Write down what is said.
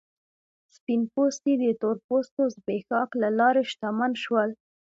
سپین پوستي د تور پوستو زبېښاک له لارې شتمن شول.